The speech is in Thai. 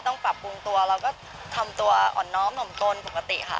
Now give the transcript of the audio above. ต้องปรับปรุงตัวเราก็ทำตัวอ่อนน้อมหนมตนปกติค่ะ